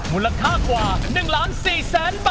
มูลค่ากว่า๑๔๐๐๐๐๐บาท